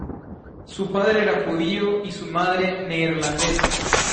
Su padre era judío y su madre neerlandesa.